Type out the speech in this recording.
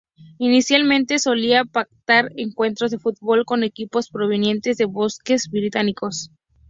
Inicialmente solía pactar encuentros de fútbol, con equipos, provenientes de buques británicos.